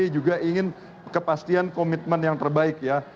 juga ingin kepastian komitmen yang terbaik ya